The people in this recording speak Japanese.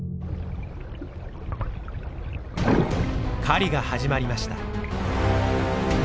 狩りが始まりました。